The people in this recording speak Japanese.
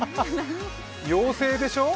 妖精でしょ？